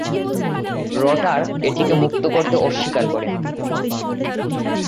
Rotor এটিকে মুক্ত করতে অস্বীকার করেন।